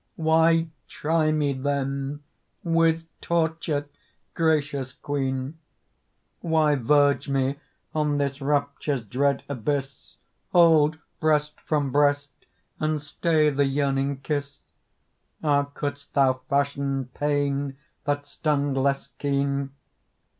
Why try me, then, with torture, gracious Queen? Why verge me on this rapture's dread abyss, Hold breast from breast and stay the yearning kiss? Ah, couldst thou fashion pain that stung less keen?